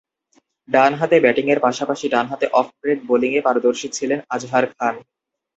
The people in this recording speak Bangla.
ডানহাতে ব্যাটিংয়ের পাশাপাশি ডানহাতে অফ ব্রেক বোলিংয়ে পারদর্শী ছিলেন আজহার খান।